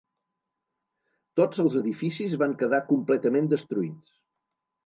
Tots els edificis van quedar completament destruïts.